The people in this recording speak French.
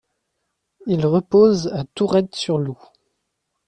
Il repose à Tourrettes-sur-Loup.